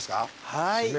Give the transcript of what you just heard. はい。